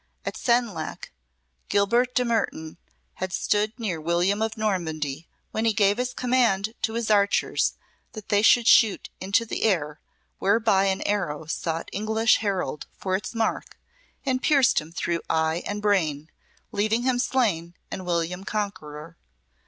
At Senlac, Guilbert de Mertoun had stood near William of Normandy when he gave his command to his archers that they should shoot into the air, whereby an arrow sought English Harold for its mark and pierced him through eye and brain, leaving him slain, and William conqueror.